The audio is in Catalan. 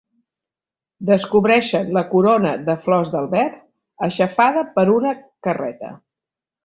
Descobreixen la corona de flors d'Albert, aixafada per una carreta.